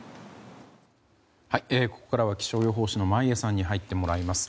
ここからは気象予報士の眞家さんに入ってもらいます。